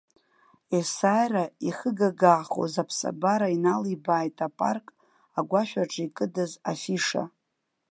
Есааира ихыгагаахоз аԥсабара иналибааит апарк, агәашә аҿы икыдыз афиша.